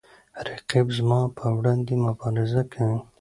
رقیب زما په وړاندې مبارزه کوي